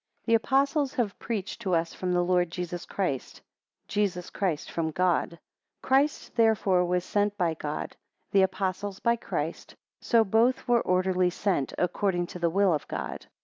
THE Apostles have preached to us from the Lord Jesus Christ Jesus Christ from God. 2 Christ therefore was sent by God, the Apostles by Christ; so both were orderly sent, according to the will of God.